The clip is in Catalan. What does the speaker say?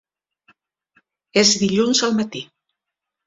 És dilluns al matí.